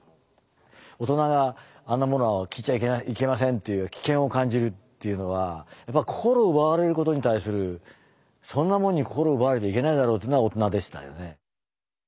大人が「あんなものは聴いちゃいけません」っていう危険を感じるっていうのはやっぱ心奪われる事に対するそんなもんに心奪われちゃいけないだろというのは大人でしたよね。